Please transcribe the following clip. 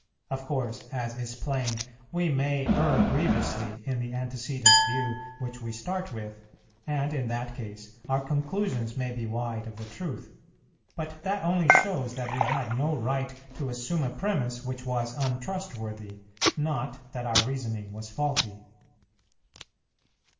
Of course, as is plain, we may err grievously in the antecedent view which we start with, and in that case, our conclusions may be wide of the truth; but that only shows that we had no right to assume a premiss which was untrustworthy, not that our reasoning was faulty.